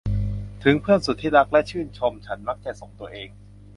ถึงเพื่อนสุดที่รักและชื่นชมฉันมักจะส่งตัวเอง